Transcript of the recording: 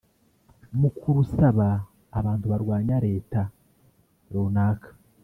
mu kurasaba abantu barwanya Leta runaka